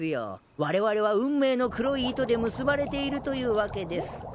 われわれは運命の黒い糸で結ばれているというわけです。